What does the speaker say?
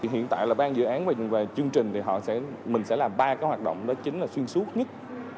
hiện tại là ban dự án và chương trình thì họ sẽ mình sẽ làm ba cái hoạt động đó chính là xuyên suốt nhất